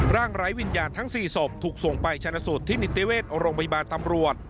ไร้วิญญาณทั้ง๔ศพถูกส่งไปชนะสูตรที่นิติเวชโรงพยาบาลตำรวจ